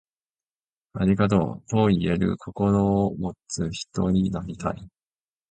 ありがとう、と言える心を持つ人になりたい。